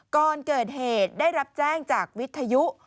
ก่อนเกิดเหตุได้รับแจ้งจากวิทยุ